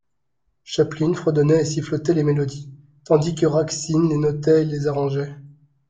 Chaplin fredonnait et sifflotait les mélodies, tandis que Raksin les notait et les arrangeait.